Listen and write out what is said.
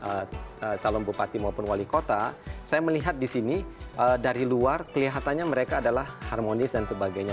sedangkan untuk yang pelaku daripada yang pimpinan entah yang pimpinan ataupun calon bupati maupun wali kota saya melihat di sini dari luar kelihatannya mereka adalah harmonis dan sebagainya